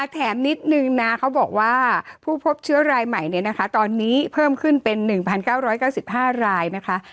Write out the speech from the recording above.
แถมนิดนึงนะเขาบอกว่าผู้พบเชื้อรายใหม่ตอนนี้เพิ่มขึ้นเป็น๑๙๙๕รายนะคะ